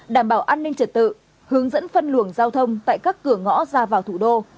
đảm bảo an ninh trật tự hướng dẫn phân luồng giao thông tại các cửa ngõ ra vào thủ đô